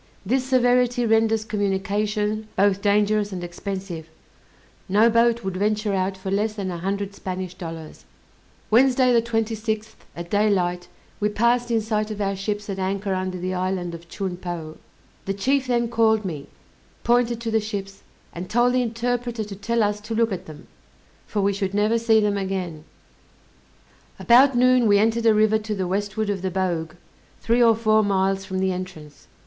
This severity renders communication both dangerous and expensive; no boat would venture out for less than a hundred Spanish dollars. Wednesday, the 26th, at daylight, we passed in sight of our ships at anchor under the island of Chun Po. The chief then called me, pointed to the ships, and told the interpreter to tell us to look at them, for we should never see them again. About noon we entered a river to the westward of the Bogue, three or four miles from the entrance.